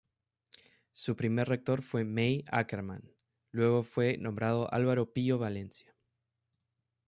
Su primer rector fue May Ackerman, luego fue nombrado Alvaro Pío Valencia.